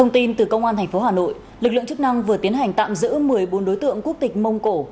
tin từ công an thành phố hà nội lực lượng chức năng vừa tiến hành tạm giữ một mươi bốn đối tượng quốc tịch mông cổ